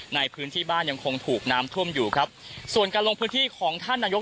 ในพื้นที่บ้านยังคงถูกน้ำท่วมอยู่ครับส่วนการลงพื้นที่ของท่านนายก